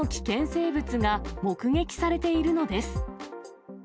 生物が目撃されているのです。